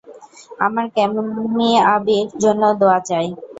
আমার কামিয়াবীর জন্য দোয়া চাই।